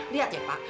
lihat ya pak